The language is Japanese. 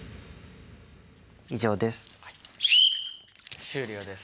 以上です。